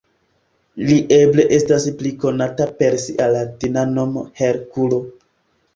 Li eble estas pli konata per sia latina nomo Herkulo.